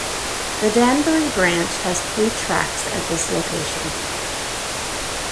The Danbury Branch has three tracks at this location.